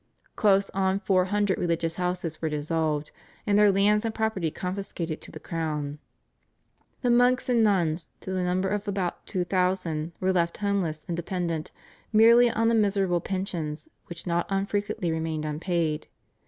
Close on four hundred religious houses were dissolved, and their lands and property confiscated to the crown. The monks and nuns to the number of about 2,000 were left homeless and dependent merely on the miserable pensions, which not unfrequently remained unpaid.